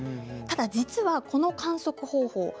ただ、実はこの観測方法